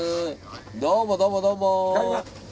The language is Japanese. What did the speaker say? どうもどうもどうも！